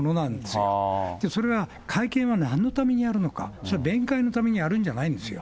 けど、それは会見は、なんのためにやるのか、それは弁解のためにあるんじゃないんですよ。